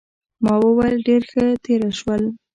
ما وویل ډېره ښه تېره شول.